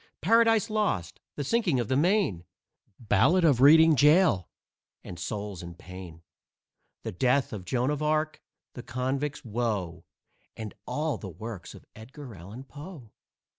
"Paradise Lost," "The Sinking of the Maine," "Ballad of Reading Gaol," and "Souls in Pain." "The Death of Joan of Arc," "The Convict's Woe," And all the works of Edgar Allen Poe.